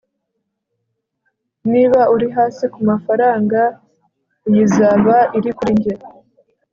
niba uri hasi kumafaranga, iyi izaba iri kuri njye